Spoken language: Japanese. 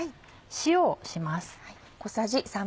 塩をします。